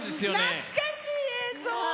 懐かしい映像！